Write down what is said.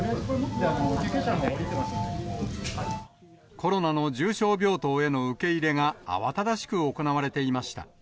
コロナの重症病棟への受け入れが、慌ただしく行われていました。